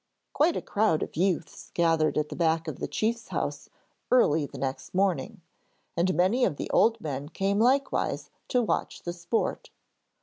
Quite a crowd of youths gathered at the back of the chief's house early next morning, and many of the old men came likewise to watch the sport.